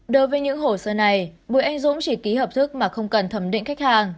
đối với những hồ sơ này bùi anh dũng chỉ ký hợp thức mà không cần thẩm định khách hàng